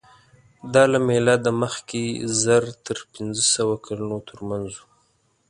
دا له مېلاده مخکې زر تر پینځهسوه کلونو تر منځ وو.